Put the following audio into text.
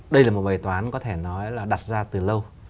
đây là một bài toán có thể nói là đặt ra từ lâu